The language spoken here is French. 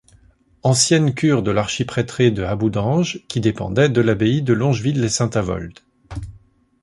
Ancienne cure de l'archiprêtré de Haboudange, qui dépendait de l'abbaye de Longeville-les-Saint-Avold.